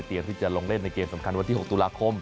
ที่จะลงเล่นในเกมสำคัญวันที่๖ตุลาคม